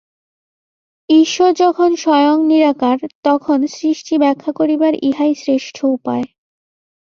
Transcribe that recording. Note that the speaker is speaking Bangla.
ঈশ্বর যখন স্বয়ং নিরাকার, তখন সৃষ্টি ব্যাখ্যা করিবার ইহাই শ্রেষ্ঠ উপায়।